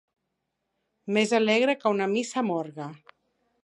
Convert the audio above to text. Més alegre que una missa amb orgue.